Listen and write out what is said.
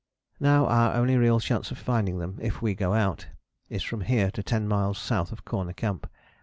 "Now our only real chance of finding them, if we go out, is from here to ten miles south of Corner Camp.